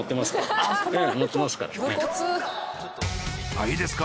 あぁいいですか？